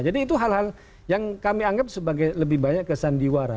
jadi itu hal hal yang kami anggap sebagai lebih banyak kesandiwara